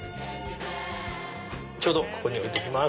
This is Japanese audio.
ちょうどここに置いときます。